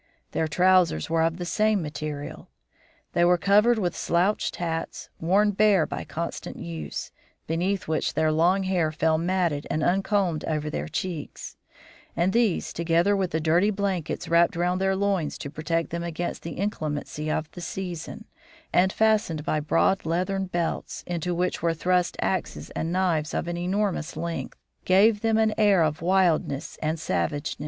Their trousers were of the same material. They were covered with slouched hats, worn bare by constant use, beneath which their long hair fell matted and uncombed over their cheeks; and these, together with the dirty blankets wrapped round their loins to protect them against the inclemency of the season, and fastened by broad leathern belts, into which were thrust axes and knives of an enormous length, gave them an air of wildness and savageness."